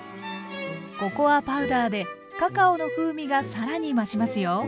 ココアパウダーでカカオの風味が更に増しますよ。